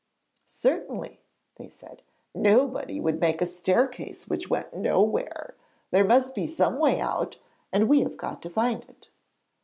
'Certainly,' they said, 'nobody would make a staircase which went nowhere! There must be some way out and we have got to find it.'